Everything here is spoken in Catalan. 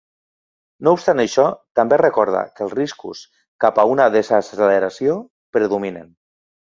No obstant això, també recorda que els riscos cap a una desacceleració predominen.